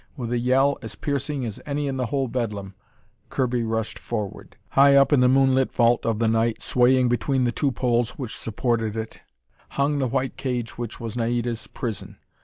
With a yell as piercing as any in the whole bedlam, Kirby rushed forward. High up in the moonlit vault of the night, swaying between the two poles which supported it, hung the white cage which was Naida's prison.